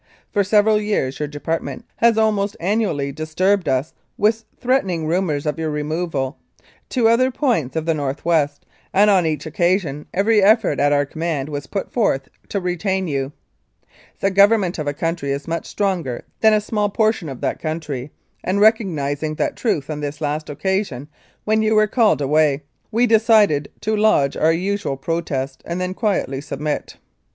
"For several years your Department has almost annually disturbed us with threatened rumours of your removal to other points of the North West, and on each occasion every effort at our command was put forth to retain you. "The Government of a country is much stronger than a small portion of that country, and recognising that truth on this last occasion when you were called away, we decided to lodge our usual protest and then quietly submit.